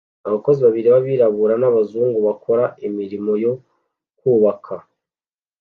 Abakozi babiri b'abirabura n'abazungu bakora imirimo yo kubaka